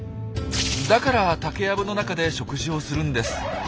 だから竹やぶの中で食事をするんです。